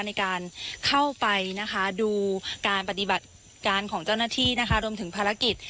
ในการเข้าไปนะคะดูการปฏิบัติการของเจ้าหน้าที่นะคะรวมถึงภารกิจ